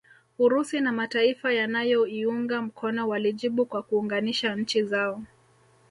Urusi na mataifa yanayoiunga mkono walijibu kwa kuunganisha nchi zao